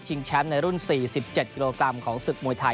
แชมป์ในรุ่น๔๗กิโลกรัมของศึกมวยไทย